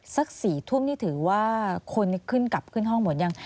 สัก๔ทุ่มนี่ถือว่าคนนี้ขึ้นกลับขึ้นห้องหมดยัง